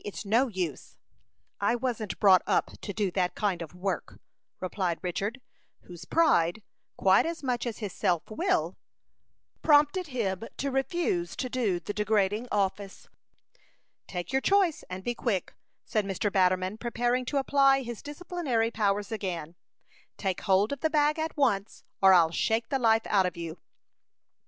"It's no use." "I wasn't brought up to do that kind of work," replied Richard, whose pride, quite as much as his self will, prompted him to refuse to do the degrading office. "Take your choice, and be quick," said Mr. Batterman, preparing to apply his disciplinary powers again. "Take hold of the bag at once, or I'll shake the life out of you."